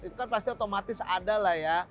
itu kan pasti otomatis ada lah ya